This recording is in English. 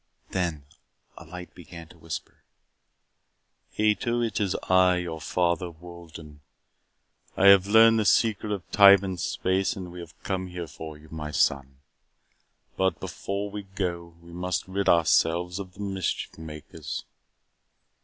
Then a light began to whisper. "Ato, it is I, your father, Wolden. We have learned the secret of time and space and we have come for you, my son. But before we go, we must rid ourselves of the mischief makers."